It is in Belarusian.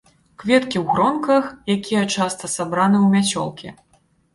Кветкі ў гронках, якія часта сабраны ў мяцёлкі.